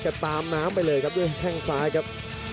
ตามน้ำไปเลยครับด้วยแข้งซ้ายครับ